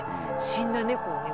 死んだ猫をね